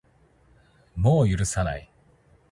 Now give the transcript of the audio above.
もう許さない